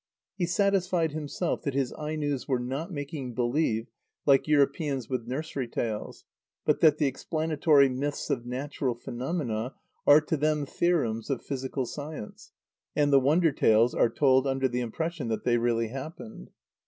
He satisfied himself that his Ainos were not making believe, like Europeans with nursery tales, but that the explanatory myths of natural phenomena are to them theorems of physical science, and the wonder tales are told under the impression that they really happened.